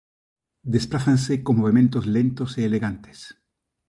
Desprázanse con movementos lentos e elegantes.